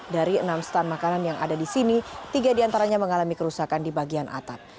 dari enam stand makanan yang ada di sini tiga diantaranya mengalami kerusakan di bagian atap